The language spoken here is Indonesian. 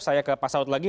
saya ke pak saud lagi